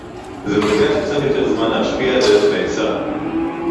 זה לוקח קצת יותר זמן להשפיע דרך ההיצע